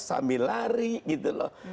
sambil lari gitu loh